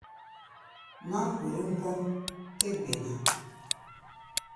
Máŋgorom kɔ́ʼm tɛ́ gbɛ̧ ná.